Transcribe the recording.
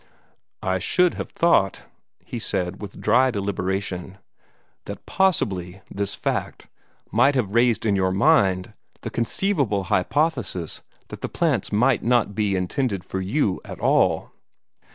"I should have thought," he said with dry deliberation, "that possibly this fact might have raised in your mind the conceivable hypothesis that the plants might not be intended for you at all."